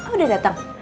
oh sudah datang